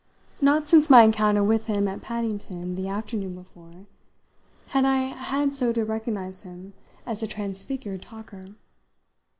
Not since my encounter with him at Paddington the afternoon before had I had so to recognise him as the transfigured talker.